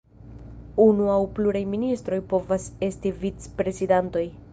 Unu aŭ pluraj ministroj povas esti vic-prezidantoj.